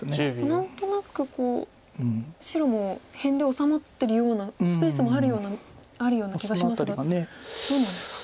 何となくこう白も辺で治まってるようなスペースもあるような気がしますがどうなんですか？